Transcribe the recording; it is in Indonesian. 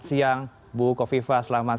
siang bu kofifa selamat